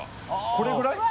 これぐらい？